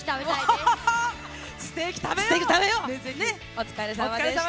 お疲れさまでした。